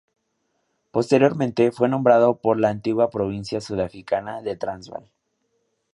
Posteriormente fue nombrado por la antigua provincia sudaficana de Transvaal.